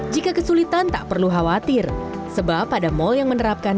pengunjung yang akan masuk jika kesulitan tak perlu khawatir sebab pada mall yang menerapkan